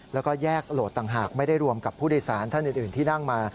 แล้วก็แยกโหลดต่างหากไม่ได้รวมกับผู้โดยสารท่านอื่นที่นั่งมา